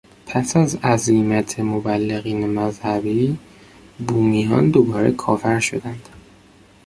پس از عزیمت مبلغین مذهبی، بومیان دوباره کافر شدند.